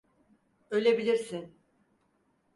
Ölebilirsin.